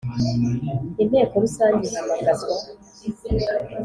Inteko rusange ihamagazwa